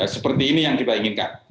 seperti ini yang kita inginkan